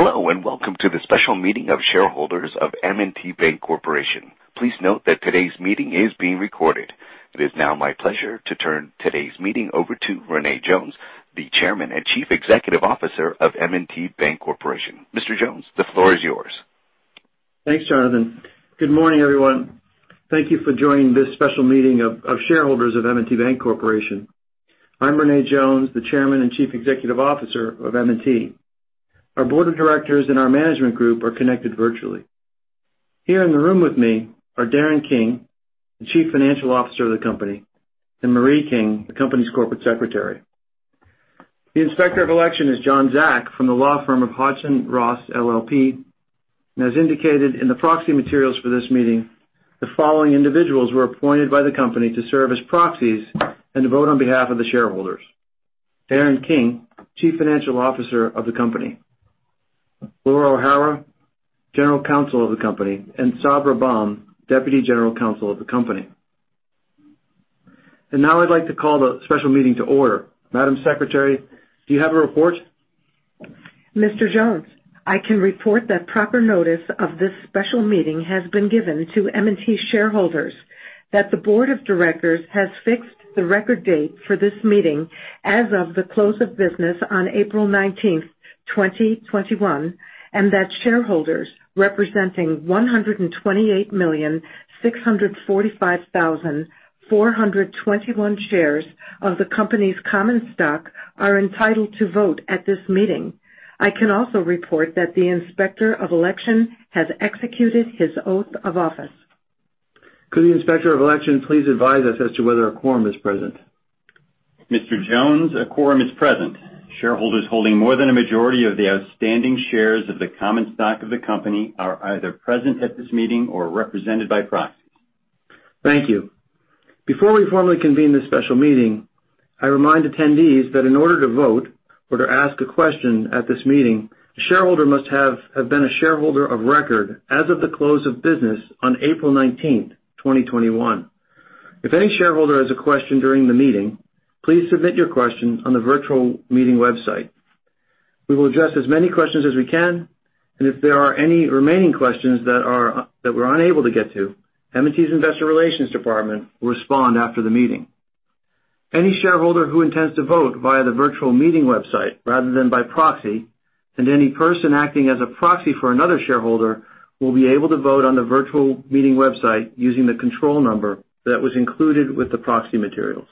Hello, and welcome to the special meeting of shareholders of M&T Bank Corporation. Please note that today's meeting is being recorded. It is now my pleasure to turn today's meeting over to René Jones, the Chairman and Chief Executive Officer of M&T Bank Corporation. Mr. Jones, the floor is yours. Thanks, Jonathan. Good morning, everyone. Thank you for joining this special meeting of shareholders of M&T Bank Corporation. I'm René Jones, the Chairman and Chief Executive Officer of M&T. Our Board of Directors and our management group are connected virtually. Here in the room with me are Darren King, the Chief Financial Officer of the company, and Marie King, the company's Corporate Secretary. The Inspector of Election is John Zak from the law firm of Hodgson Russ LLP. As indicated in the proxy materials for this meeting, the following individuals were appointed by the company to serve as proxies and vote on behalf of the shareholders. Darren King, Chief Financial Officer of the company. Laura O'Hara, General Counsel of the company, and Sabra Baum, Deputy General Counsel of the company. Now I'd like to call the special meeting to order. Madam Secretary, do you have a report? Mr. Jones, I can report that proper notice of this special meeting has been given to M&T shareholders, that the Board of Directors has fixed the record date for this meeting as of the close of business on April 19th, 2021, and that shareholders representing 128,645,421 shares of the company's common stock are entitled to vote at this meeting. I can also report that the Inspector of Election has executed his oath of office. Could the Inspector of Election please advise us as to whether a quorum is present? Mr. Jones, a quorum is present. Shareholders holding more than a majority of the outstanding shares of the common stock of the company are either present at this meeting or represented by proxy. Thank you. Before we formally convene this special meeting, I remind attendees that in order to vote or to ask a question at this meeting, a shareholder must have been a shareholder of record as of the close of business on April 19th, 2021. If any shareholder has a question during the meeting, please submit your question on the virtual meeting website. We will address as many questions as we can, and if there are any remaining questions that we're unable to get to, M&T's Investor Relations Department will respond after the meeting. Any shareholder who intends to vote via the virtual meeting website rather than by proxy, and any person acting as a proxy for another shareholder, will be able to vote on the virtual meeting website using the control number that was included with the proxy materials.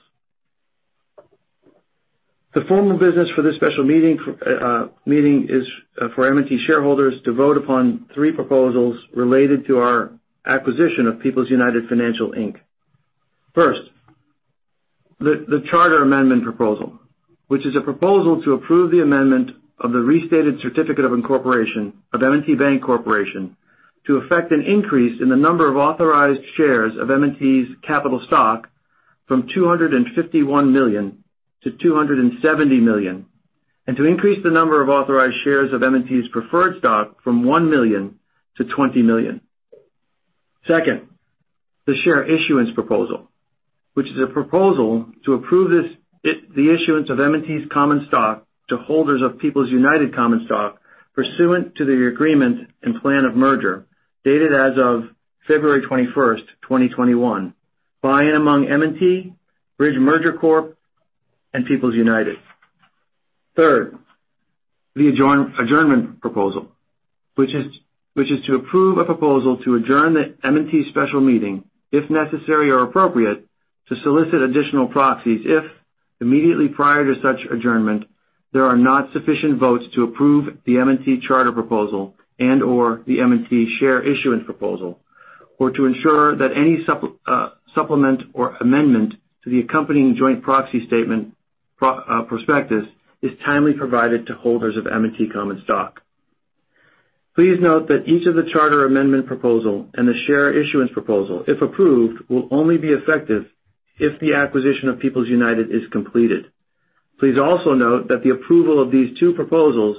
The formal business for this special meeting is for M&T shareholders to vote upon three proposals related to our acquisition of People's United Financial, Inc. First, the Charter Amendment proposal, which is a proposal to approve the amendment of the restated certificate of incorporation of M&T Bank Corporation to effect an increase in the number of authorized shares of M&T's capital stock from 251 million to 270 million, and to increase the number of authorized shares of M&T's preferred stock from 1 million to 20 million. Second, the Share Issuance proposal, which is a proposal to approve the issuance of M&T's common stock to holders of People's United common stock pursuant to the agreement and plan of merger dated as of February 21st, 2021, by and among M&T, Bridge Merger Corp, and People's United. Third, the Adjournment proposal, which is to approve a proposal to adjourn the M&T special meeting, if necessary or appropriate, to solicit additional proxies if immediately prior to such adjournment, there are not sufficient votes to approve the M&T charter proposal and/or the M&T share issuance proposal. To ensure that any supplement or amendment to the accompanying joint proxy statement prospectus is timely provided to holders of M&T common stock. Please note that each of the charter amendment proposal and the share issuance proposal, if approved, will only be effective if the acquisition of People's United is completed. Please also note that the approval of these two proposals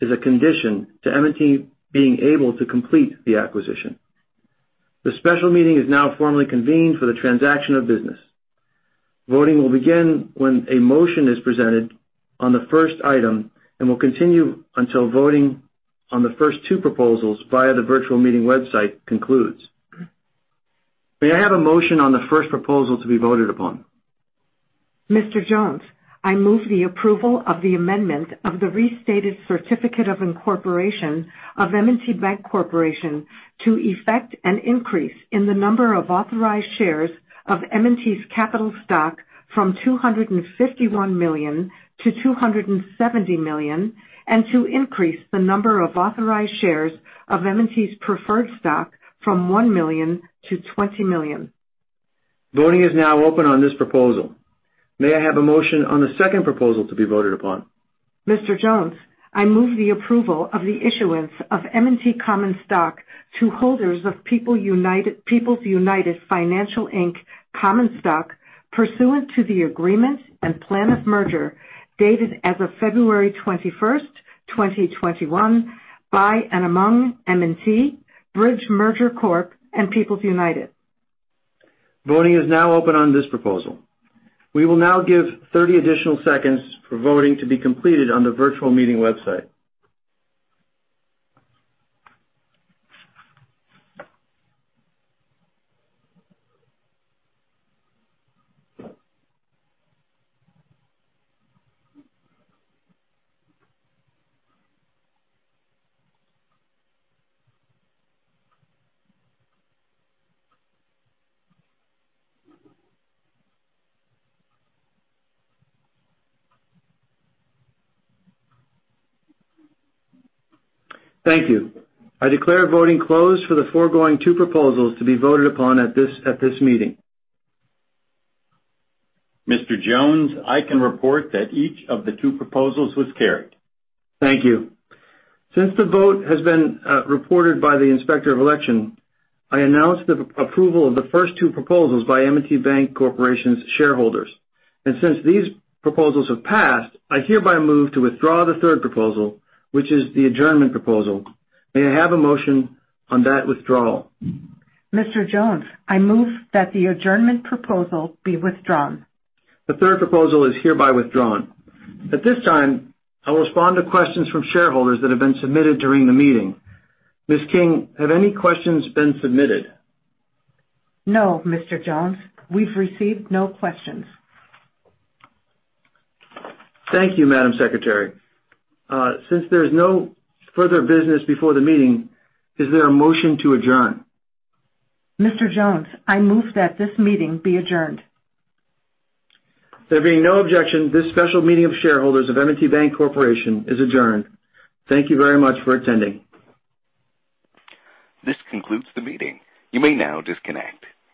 is a condition to M&T being able to complete the acquisition. The special meeting is now formally convened for the transaction of business. Voting will begin when a motion is presented on the first item and will continue until voting on the first two proposals via the virtual meeting website concludes. May I have a motion on the first proposal to be voted upon? Mr. Jones, I move the approval of the amendment of the restated certificate of incorporation of M&T Bank Corporation to effect an increase in the number of authorized shares of M&T's capital stock from 251 million to 270 million, and to increase the number of authorized shares of M&T's preferred stock from 1 million to 20 million. Voting is now open on this proposal. May I have a motion on the second proposal to be voted upon? Mr. Jones, I move the approval of the issuance of M&T common stock to holders of People's United Financial, Inc common stock, pursuant to the agreement and plan of merger dated as of February 21st, 2021, by and among M&T, Bridge Merger Corp, and People's United. Voting is now open on this proposal. We will now give 30 additional seconds for voting to be completed on the virtual meeting website. Thank you. I declare voting closed for the foregoing two proposals to be voted upon at this meeting. Mr. Jones, I can report that each of the two proposals was carried. Thank you. Since the vote has been reported by the Inspector of Election, I announce the approval of the first two proposals by M&T Bank Corporation's shareholders. Since these proposals have passed, I hereby move to withdraw the third proposal, which is the adjournment proposal. May I have a motion on that withdrawal? Mr. Jones, I move that the Adjournment proposal be withdrawn. The third proposal is hereby withdrawn. At this time, I will respond to questions from shareholders that have been submitted during the meeting. Ms. King, have any questions been submitted? No, Mr. Jones. We've received no questions. Thank you, Madam Secretary. Since there's no further business before the meeting, is there a motion to adjourn? Mr. Jones, I move that this meeting be adjourned. There being no objection, this special meeting of shareholders of M&T Bank Corporation is adjourned. Thank you very much for attending. This concludes the meeting. You may now disconnect.